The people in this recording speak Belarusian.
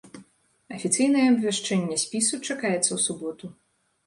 Афіцыйнае абвяшчэнне спісу чакаецца ў суботу.